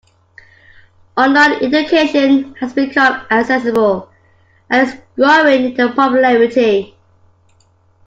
Online Education has become accessible and is growing in popularity.